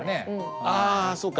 ああそうか！